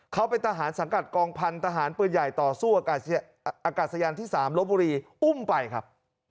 เขาเป็นทหารสังกัดกองพันธหารปืนใหญ่ต่อสู้อากาศยานที่๓ลบบุรีอุ้มไปครับ